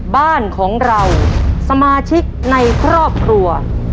บ้านของเราสมาชิกในครอบครัว